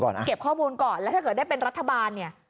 เก็บข้อมูลก่อนแล้วถ้าเกิดได้เป็นรัฐบาลเนี่ย